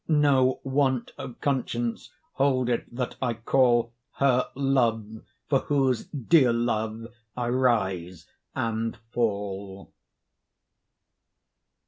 No want of conscience hold it that I call Her 'love,' for whose dear love I rise and fall.